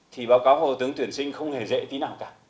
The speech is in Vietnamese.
thì báo cáo hồ tướng tuyển sinh không hề dễ tí nào cả